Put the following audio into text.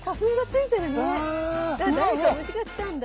誰か虫が来たんだ。